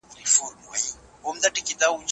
ایا ځايي کروندګر خندان پسته پلوري؟